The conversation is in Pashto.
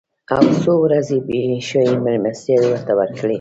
او څو ورځې یې شاهي مېلمستیاوې ورته وکړې.